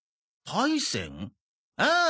ああ